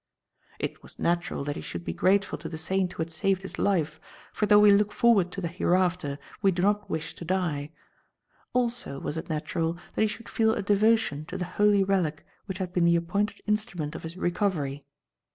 "It was natural that he should be grateful to the saint who had saved his life, for though we look forward to the hereafter, we do not wish to die. Also was it natural that he should feel a devotion to the holy relic which had been the appointed instrument of his recovery.